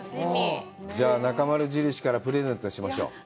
じゃあなかまる印からプレゼントしましょう。